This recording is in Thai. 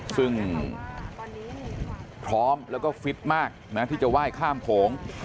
ซึ่งพร้อมแล้วก็ฟิตมากนะที่จะไหว้ข้ามโขง